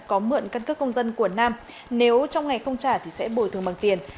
có mượn căn cước công dân của nam nếu trong ngày không trả thì sẽ bồi thường bằng tiền